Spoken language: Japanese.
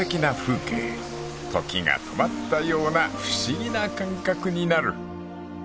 ［時が止まったような不思議な感覚になる］